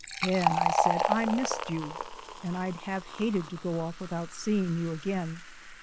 "Ben," I said, "I missed you, and I'd have hated to go off without seeing you again.